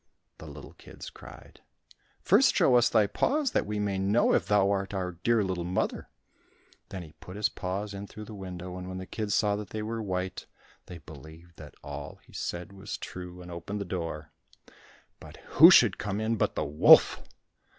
The little kids cried, "First show us thy paws that we may know if thou art our dear little mother." Then he put his paws in through the window, and when the kids saw that they were white, they believed that all he said was true, and opened the door. But who should come in but the wolf!